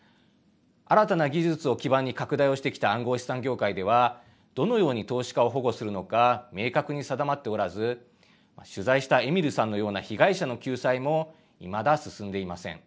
新たな技術を基盤に拡大をしてきた暗号資産業界ではどのように投資家を保護するのか明確に定まっておらず取材したエミルさんのような被害者の救済もいまだ進んでいません。